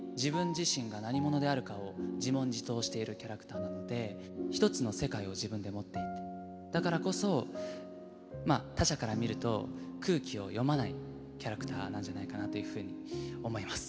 生まれてこの方常にキャラクターなので一つの世界を自分で持っていてだからこそまあ他者から見ると空気を読まないキャラクターなんじゃないかなというふうに思います